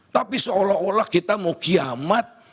tapi seolah olah kita mau kiamat